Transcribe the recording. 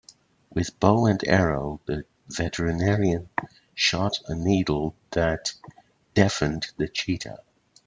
With bow and arrow the veterinarian shot a needle that deafened the cheetah.